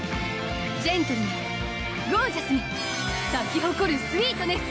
ジェントルにゴージャスに咲き誇るスウィートネス！